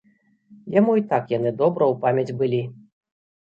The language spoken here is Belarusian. Яму й так яны добра ў памяць былі.